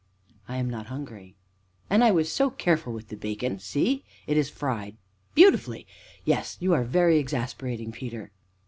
"I am not hungry." "And I was so careful with the bacon see it is fried beautifully yes, you are very exasperating, Peter!"